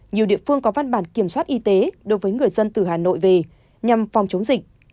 nhiều địa phương có văn bản kiểm soát y tế đối với người dân từ hà nội về nhằm phòng chống dịch